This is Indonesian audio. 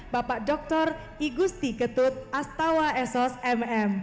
bapak dr igusti ketut astawa sos mm